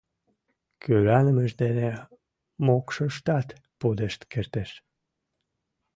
Кӧранымышт дене мокшыштат пудешт кертеш.